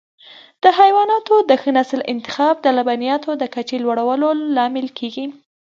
د حیواناتو د ښه نسل انتخاب د لبنیاتو د کچې لوړولو لامل کېږي.